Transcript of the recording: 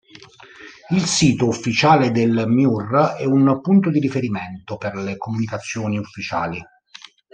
Il sito ufficiale del Miur è un punto di riferimento per le comunicazioni ufficiali.